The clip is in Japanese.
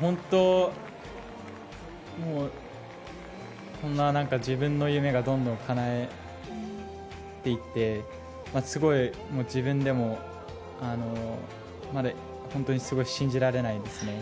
本当、こんな自分の夢がどんどんかなえていって自分でも、本当にすごい信じられないですね。